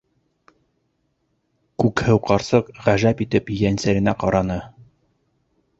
- Күкһыу ҡарсыҡ ғәжәп итеп ейәнсәренә ҡараны.